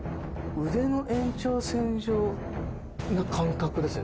腕の延長線上の感覚ですね。